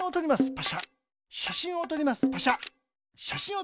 パシャ。